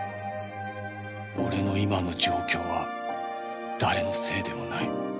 俺の今の状況は誰のせいでもない